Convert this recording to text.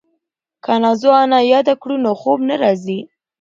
که نازو انا یاده کړو نو خوب نه راځي.